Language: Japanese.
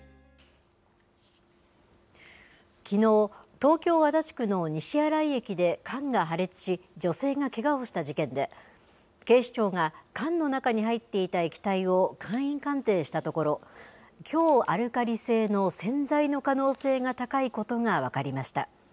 きのう、東京・足立区の西新井駅で缶が破裂し、女性がけがをした事件で、警視庁が缶の中に入っていた液体を簡易鑑定したところ、強アルカリ性の洗剤の可能性が高いことが分かりました。